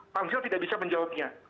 pansel tidak bisa menjawabnya